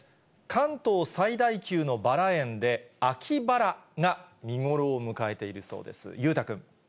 関東最大級のバラ園で、秋バラが見頃を迎えているそうです。